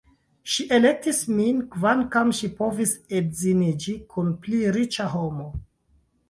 Ŝi elektis min, kvankam ŝi povis edziniĝi kun pli riĉa homo.